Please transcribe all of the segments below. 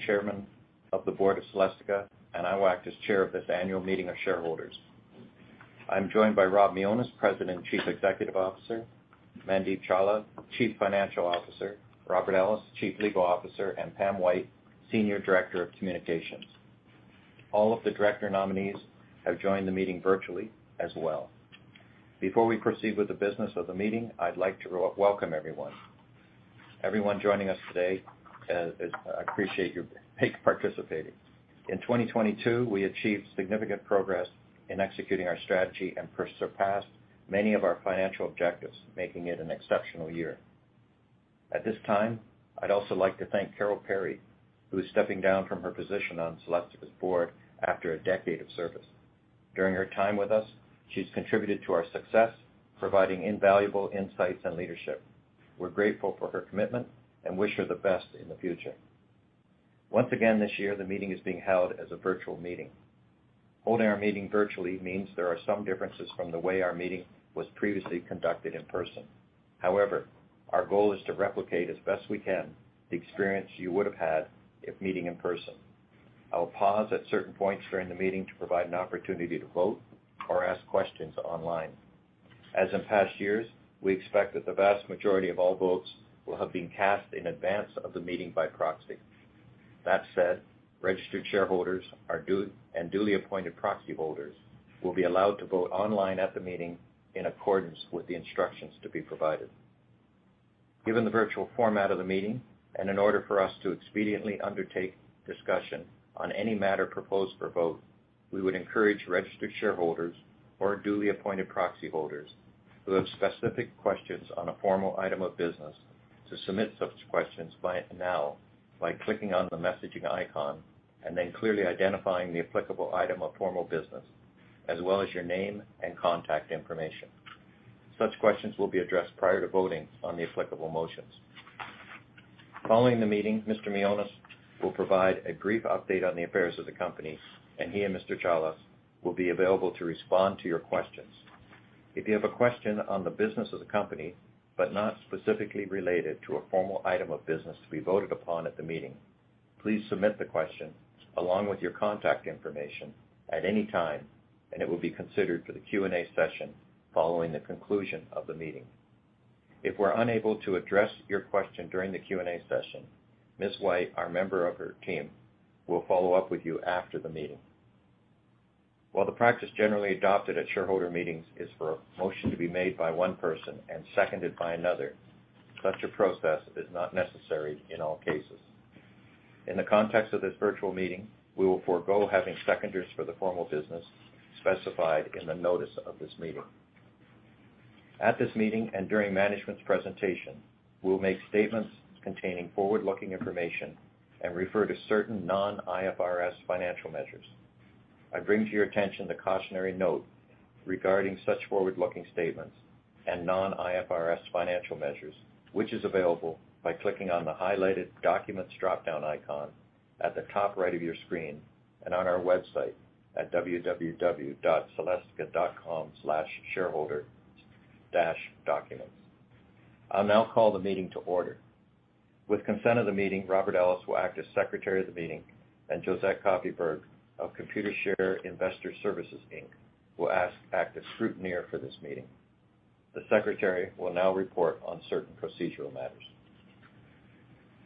Wilson, Chairman of the Board of Celestica, and I will act as chair of this annual meeting of shareholders. I'm joined by Rob Mionis, President and Chief Executive Officer, Mandeep Chawla, Chief Financial Officer, Robert Ellis, Chief Legal Officer, and Pam White, Senior Director of Communications. All of the director nominees have joined the meeting virtually as well. Before we proceed with the business of the meeting, I'd like to welcome everyone. Everyone joining us today, I appreciate you participating. In 2022, we achieved significant progress in executing our strategy and surpassed many of our financial objectives, making it an exceptional year. At this time, I'd also like to thank Carol Perry, who is stepping down from her position on Celestica's board after a decade of service. During her time with us, she's contributed to our success, providing invaluable insights and leadership. We're grateful for her commitment and wish her the best in the future. Once again, this year, the meeting is being held as a virtual meeting. Holding our meeting virtually means there are some differences from the way our meeting was previously conducted in person. Our goal is to replicate as best we can the experience you would have had if meeting in person. I will pause at certain points during the meeting to provide an opportunity to vote or ask questions online. As in past years, we expect that the vast majority of all votes will have been cast in advance of the meeting by proxy. That said, registered shareholders and duly appointed proxy holders will be allowed to vote online at the meeting in accordance with the instructions to be provided. Given the virtual format of the meeting, and in order for us to expediently undertake discussion on any matter proposed for vote, we would encourage registered shareholders or duly appointed proxy holders who have specific questions on a formal item of business to submit such questions by now by clicking on the messaging icon and then clearly identifying the applicable item of formal business as well as your name and contact information. Such questions will be addressed prior to voting on the applicable motions. Following the meeting, Mr. Mionis will provide a brief update on the affairs of the company, and he and Mr. Chawla will be available to respond to your questions. If you have a question on the business of the company, but not specifically related to a formal item of business to be voted upon at the meeting, please submit the question along with your contact information at any time, and it will be considered for the Q&A session following the conclusion of the meeting. If we're unable to address your question during the Q&A session, Ms. White, our member of her team, will follow up with you after the meeting. While the practice generally adopted at shareholder meetings is for a motion to be made by one person and seconded by another, such a process is not necessary in all cases. In the context of this virtual meeting, we will forego having seconders for the formal business specified in the notice of this meeting. At this meeting and during management's presentation, we'll make statements containing forward-looking information and refer to certain non-IFRS financial measures. I bring to your attention the cautionary note regarding such forward-looking statements and non-IFRS financial measures, which is available by clicking on the highlighted Documents dropdown icon at the top right of your screen and on our website at www.celestica.com/shareholder-documents. I'll now call the meeting to order. With consent of the meeting, Robert Ellis will act as Secretary of the meeting and Josette Koffyberg of Computershare Investor Services Inc. will act as Scrutineer for this meeting. The Secretary will now report on certain procedural matters.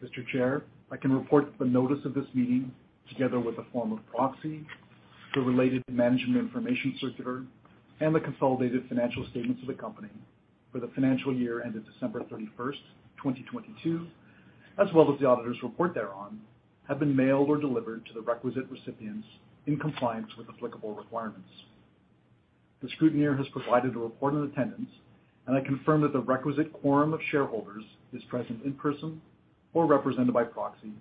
Mr. Chair, I can report the notice of this meeting, together with a form of proxy, the related management information circular, and the consolidated financial statements of the company for the financial year ended December 31st, 2022, as well as the auditor's report thereon, have been mailed or delivered to the requisite recipients in compliance with applicable requirements. The scrutineer has provided a report in attendance, and I confirm that the requisite quorum of shareholders is present in person or represented by proxy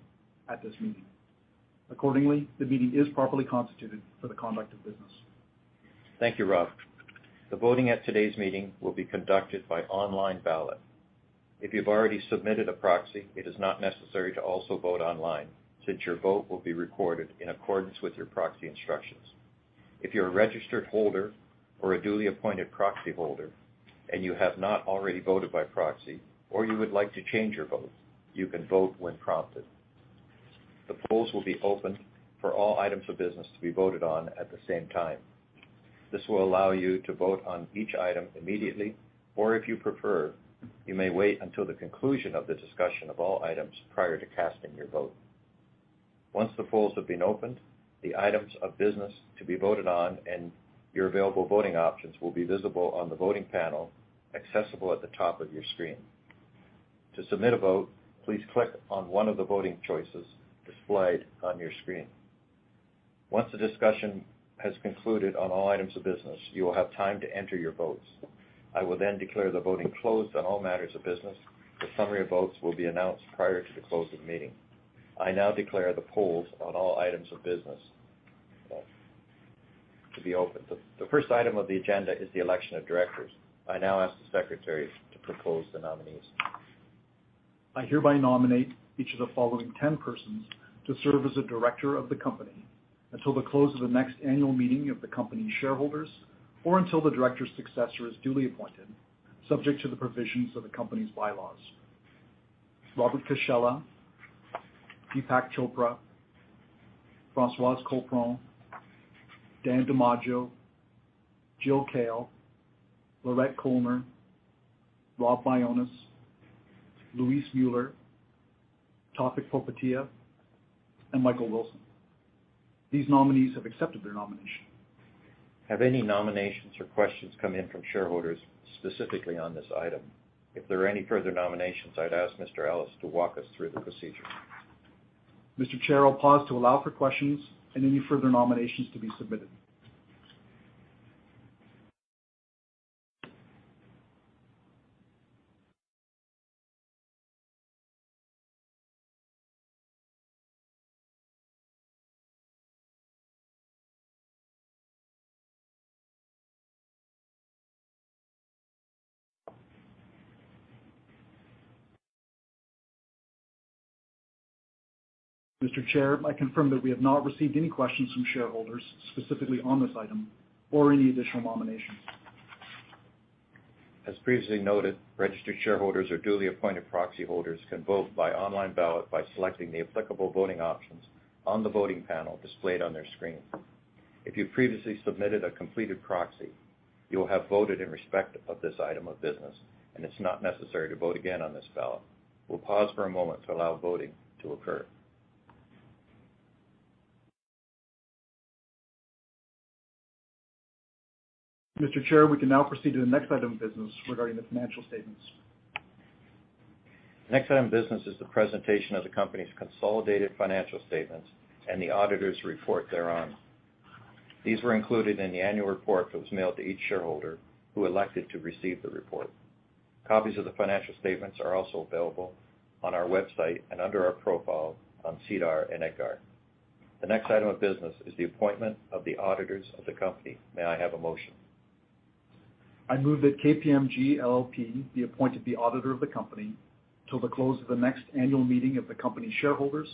at this meeting. Accordingly, the meeting is properly constituted for the conduct of business. Thank you, Rob. The voting at today's meeting will be conducted by online ballot. If you've already submitted a proxy, it is not necessary to also vote online, since your vote will be recorded in accordance with your proxy instructions. If you're a registered holder or a duly appointed proxy holder and you have not already voted by proxy or you would like to change your vote, you can vote when prompted. The polls will be open for all items of business to be voted on at the same time. This will allow you to vote on each item immediately, or if you prefer, you may wait until the conclusion of the discussion of all items prior to casting your vote. Once the polls have been opened, the items of business to be voted on and your available voting options will be visible on the voting panel accessible at the top of your screen. To submit a vote, please click on one of the voting choices displayed on your screen. Once the discussion has concluded on all items of business, you will have time to enter your votes. I will then declare the voting closed on all matters of business. The summary of votes will be announced prior to the close of the meeting. I now declare the polls on all items of business to be open. The first item of the agenda is the election of directors. I now ask the Secretary to propose the nominees. I hereby nominate each of the following 10 persons to serve as a director of the company until the close of the next annual meeting of the company's shareholders or until the director's successor is duly appointed. Subject to the provisions of the company's bylaws. Robert Cascella, Deepak Chopra, Françoise Colpron, Dan DiMaggio, Jill Kale, Laurette Koellner, Rob Mionis, Luis Müller, Tawfiq Popatia, and Michael Wilson. These nominees have accepted their nomination. Have any nominations or questions come in from shareholders specifically on this item? If there are any further nominations, I'd ask Mr. Ellis to walk us through the procedure. Mr. Chair, I'll pause to allow for questions and any further nominations to be submitted. Mr. Chair, I confirm that we have not received any questions from shareholders specifically on this item or any additional nominations. As previously noted, registered shareholders or duly appointed proxy holders can vote by online ballot by selecting the applicable voting options on the voting panel displayed on their screen. If you previously submitted a completed proxy, you will have voted in respect of this item of business, and it's not necessary to vote again on this ballot. We'll pause for a moment to allow voting to occur. Mr. Chair, we can now proceed to the next item of business regarding the financial statements. The next item of business is the presentation of the company's consolidated financial statements and the auditor's report thereon. These were included in the annual report that was mailed to each shareholder who elected to receive the report. Copies of the financial statements are also available on our website and under our profile on SEDAR and EDGAR. The next item of business is the appointment of the auditors of the company. May I have a motion? I move that KPMG LLP be appointed the auditor of the company till the close of the next annual meeting of the company shareholders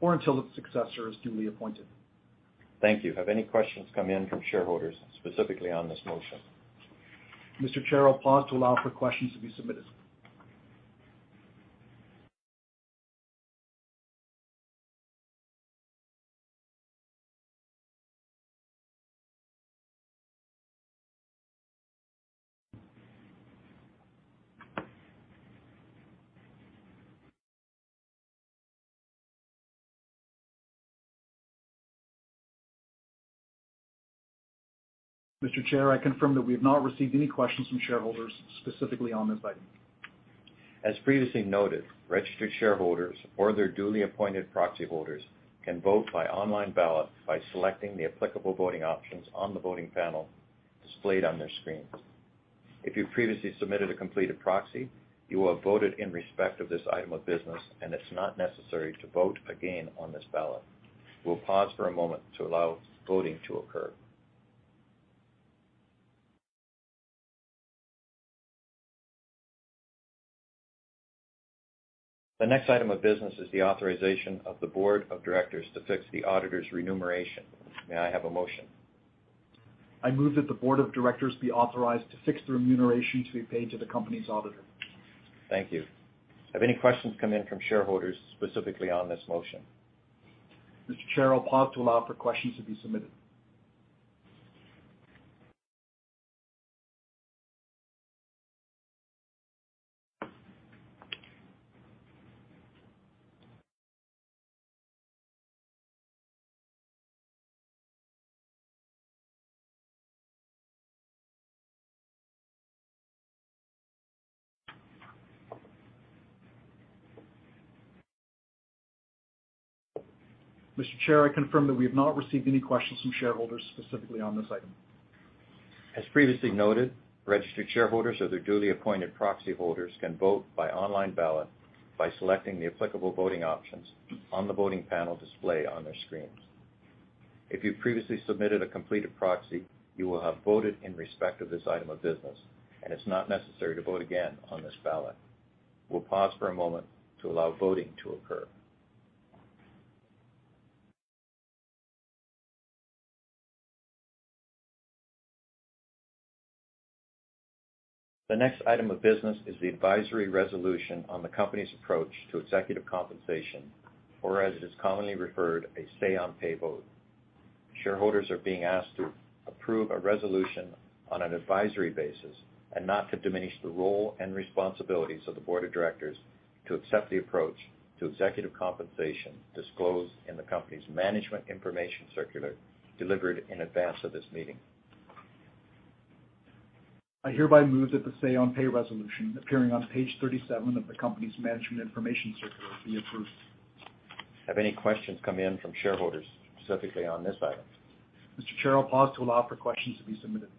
or until the successor is duly appointed. Thank you. Have any questions come in from shareholders specifically on this motion? Mr. Chair, I'll pause to allow for questions to be submitted. Mr. Chair, I confirm that we have not received any questions from shareholders specifically on this item. As previously noted, registered shareholders or their duly appointed proxy holders can vote by online ballot by selecting the applicable voting options on the voting panel displayed on their screens. If you previously submitted a completed proxy, you will have voted in respect of this item of business, it's not necessary to vote again on this ballot. We'll pause for a moment to allow voting to occur. The next item of business is the authorization of the board of directors to fix the auditor's remuneration. May I have a motion? I move that the board of directors be authorized to fix the remuneration to be paid to the company's auditor. Thank you. Have any questions come in from shareholders specifically on this motion? Mr. Chair, I'll pause to allow for questions to be submitted. Mr. Chair, I confirm that we have not received any questions from shareholders specifically on this item. As previously noted, registered shareholders or their duly appointed proxy holders can vote by online ballot by selecting the applicable voting options on the voting panel displayed on their screens. If you previously submitted a completed proxy, you will have voted in respect of this item of business, and it's not necessary to vote again on this ballot. We'll pause for a moment to allow voting to occur. The next item of business is the advisory resolution on the company's approach to executive compensation, or as it is commonly referred, a say-on-pay vote. Shareholders are being asked to approve a resolution on an advisory basis and not to diminish the role and responsibilities of the board of directors to accept the approach to executive compensation disclosed in the company's management information circular delivered in advance of this meeting. I hereby move that the say-on-pay resolution appearing on page 37 of the company's management information circular be approved. Have any questions come in from shareholders specifically on this item? Mr. Chair, I'll pause to allow for questions to be submitted.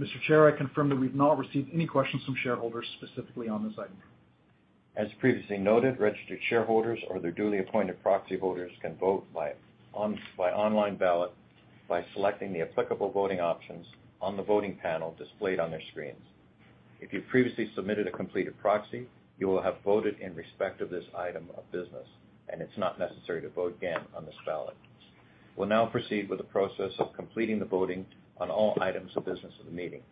Mr. Chair, I confirm that we've not received any questions from shareholders specifically on this item. As previously noted, registered shareholders or their duly appointed proxy voters can vote by online ballot by selecting the applicable voting options on the voting panel displayed on their screens. If you previously submitted a completed proxy, you will have voted in respect of this item of business. It's not necessary to vote again on this ballot. We'll now proceed with the process of completing the voting on all items of business of the meeting.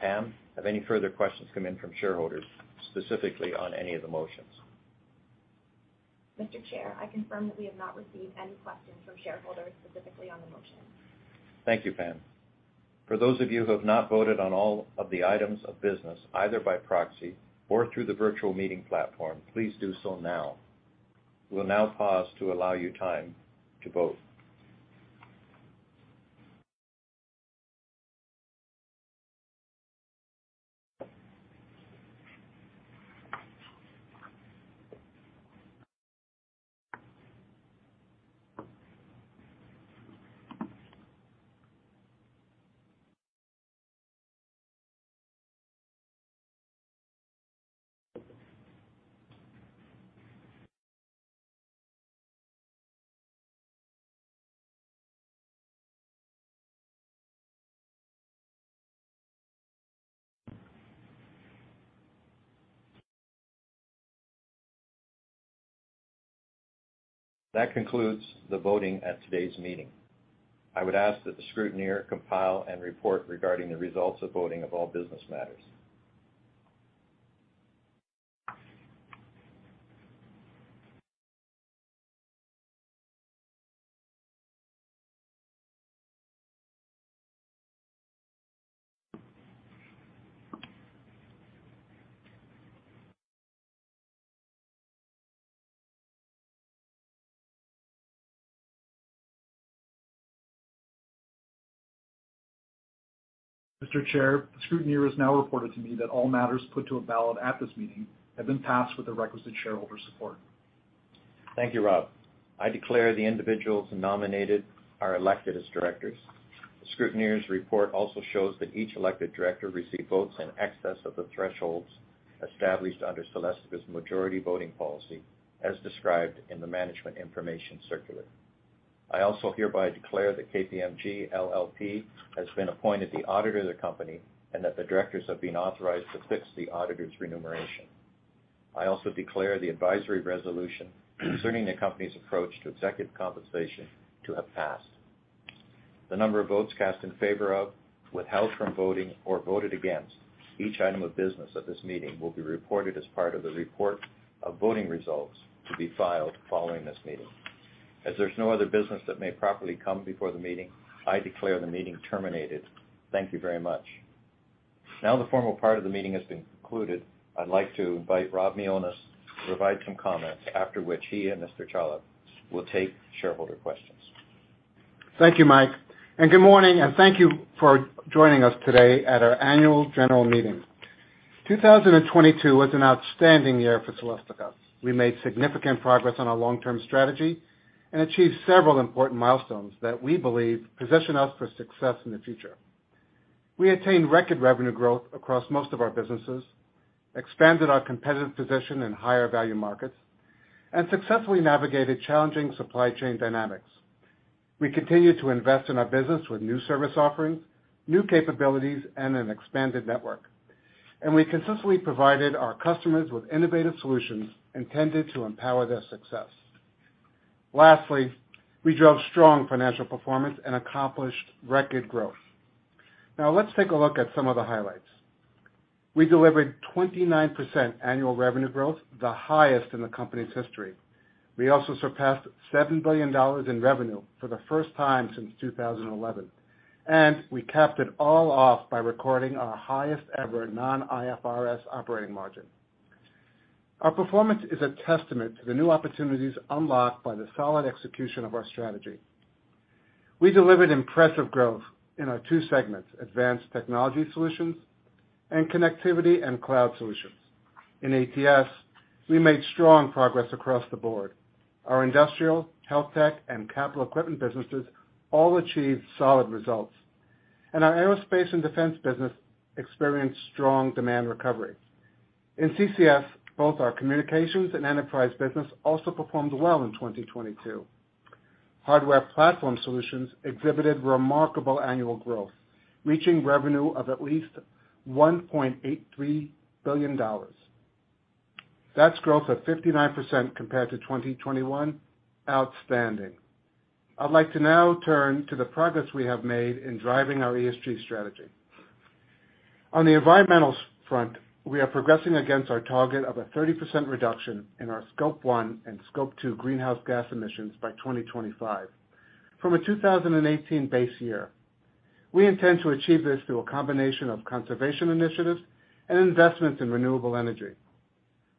Pam, have any further questions come in from shareholders, specifically on any of the motions? Mr. Chair, I confirm that we have not received any questions from shareholders specifically on the motion. Thank you, Pam. For those of you who have not voted on all of the items of business, either by proxy or through the virtual meeting platform, please do so now. We'll now pause to allow you time to vote. That concludes the voting at today's meeting. I would ask that the scrutineer compile and report regarding the results of voting of all business matters. Mr. Chair, the Scrutineer has now reported to me that all matters put to a ballot at this meeting have been passed with the requisite shareholder support. Thank you, Rob. I declare the individuals nominated are elected as directors. The scrutineer's report also shows that each elected director received votes in excess of the thresholds established under Celestica's majority voting policy, as described in the management information circular. I also hereby declare that KPMG LLP has been appointed the auditor of the company and that the directors have been authorized to fix the auditor's remuneration. I also declare the advisory resolution concerning the company's approach to executive compensation to have passed. The number of votes cast in favor of, withheld from voting, or voted against each item of business at this meeting will be reported as part of the report of voting results to be filed following this meeting. As there's no other business that may properly come before the meeting, I declare the meeting terminated. Thank you very much. Now that the formal part of the meeting has been concluded, I'd like to invite Rob Mionis to provide some comments, after which he and Mr. Chawla will take shareholder questions. Thank you, Mike. Good morning, and thank you for joining us today at our annual general meeting. 2022 was an outstanding year for Celestica. We made significant progress on our long-term strategy and achieved several important milestones that we believe position us for success in the future. We attained record revenue growth across most of our businesses, expanded our competitive position in higher value markets, and successfully navigated challenging supply chain dynamics. We continued to invest in our business with new service offerings, new capabilities, and an expanded network. We consistently provided our customers with innovative solutions intended to empower their success. Lastly, we drove strong financial performance and accomplished record growth. Now let's take a look at some of the highlights. We delivered 29% annual revenue growth, the highest in the company's history. We also surpassed $7 billion in revenue for the first time since 2011. We capped it all off by recording our highest ever non-IFRS operating margin. Our performance is a testament to the new opportunities unlocked by the solid execution of our strategy. We delivered impressive growth in our two segments, Advanced Technology Solutions and Connectivity & Cloud Solutions. In ATS, we made strong progress across the board. Our industrial, HealthTech, and capital equipment businesses all achieved solid results. Our aerospace and defense business experienced strong demand recovery. In CCS, both our communications and enterprise business also performed well in 2022. Hardware Platform Solutions exhibited remarkable annual growth, reaching revenue of at least $1.83 billion. That's growth of 59% compared to 2021. Outstanding. I'd like to now turn to the progress we have made in driving our ESG strategy. On the environmental front, we are progressing against our target of a 30% reduction in our Scope 1 and Scope 2 greenhouse gas emissions by 2025 from a 2018 base year. We intend to achieve this through a combination of conservation initiatives and investments in renewable energy.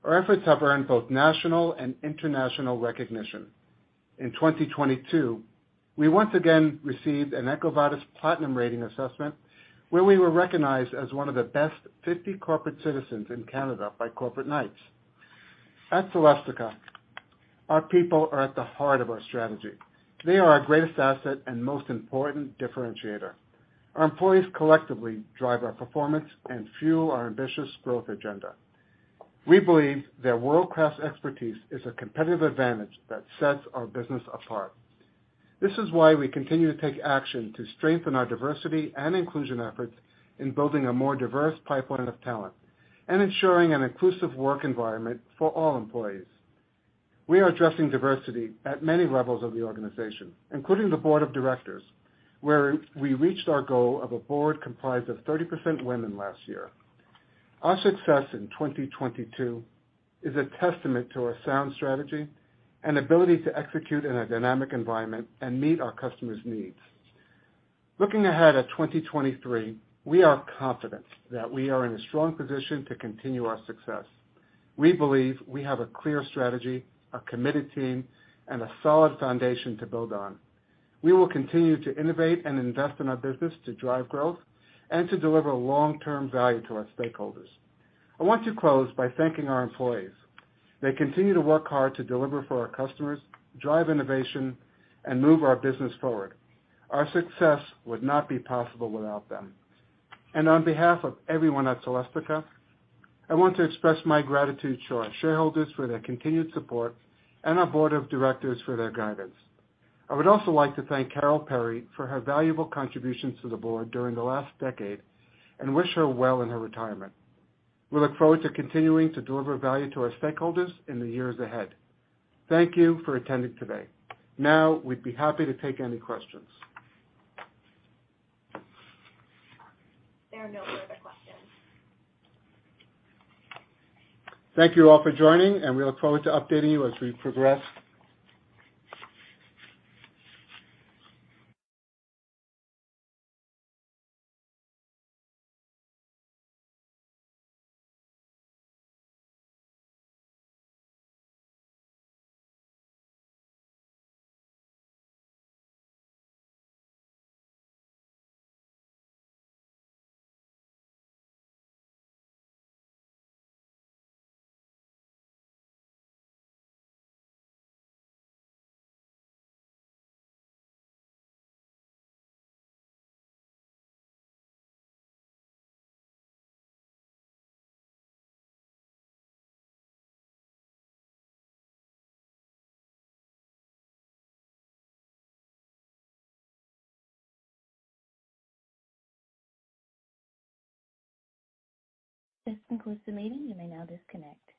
Our efforts have earned both national and international recognition. In 2022, we once again received an EcoVadis Platinum rating assessment, where we were recognized as one of the best 50 corporate citizens in Canada by Corporate Knights. At Celestica, our people are at the heart of our strategy. They are our greatest asset and most important differentiator. Our employees collectively drive our performance and fuel our ambitious growth agenda. We believe their world-class expertise is a competitive advantage that sets our business apart. This is why we continue to take action to strengthen our diversity and inclusion efforts in building a more diverse pipeline of talent and ensuring an inclusive work environment for all employees. We are addressing diversity at many levels of the organization, including the board of directors, where we reached our goal of a board comprised of 30% women last year. Our success in 2022 is a testament to our sound strategy and ability to execute in a dynamic environment and meet our customers' needs. Looking ahead at 2023, we are confident that we are in a strong position to continue our success. We believe we have a clear strategy, a committed team, and a solid foundation to build on. We will continue to innovate and invest in our business to drive growth and to deliver long-term value to our stakeholders. I want to close by thanking our employees. They continue to work hard to deliver for our customers, drive innovation, and move our business forward. Our success would not be possible without them. On behalf of everyone at Celestica, I want to express my gratitude to our shareholders for their continued support and our board of directors for their guidance. I would also like to thank Carol Perry for her valuable contributions to the board during the last decade and wish her well in her retirement. We look forward to continuing to deliver value to our stakeholders in the years ahead. Thank you for attending today. Now, we'd be happy to take any questions. There are no further questions. Thank you all for joining, and we look forward to updating you as we progress. This concludes the meeting. You may now disconnect.